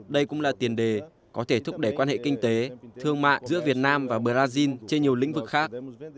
đây cũng là tiền đề có thể thúc đẩy quan hệ kinh tế thương mại giữa việt nam và brazil trên nhiều lĩnh vực khác